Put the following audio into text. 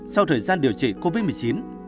sau thời gian điều trị covid một mươi chín